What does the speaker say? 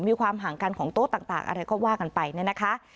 มีความห่างกันของโต๊ะต่างอะไรก็ว่ากันไปเนี่ยนะคะ